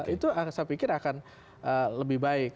itu saya pikir akan lebih baik